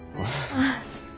ああ。